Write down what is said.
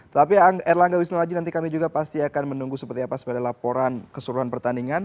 tapi erlangga wisnuwaji nanti kami juga pasti akan menunggu seperti apa sebenarnya laporan keseluruhan pertandingan